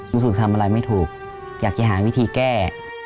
รู้สึกทำอะไรไม่ถูกอยากจะหาวิธีแก้